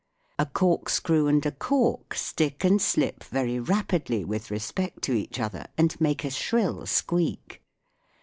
A cork screw and a cork stick and slip very rapidly with respect to each other and make a shrill squeak.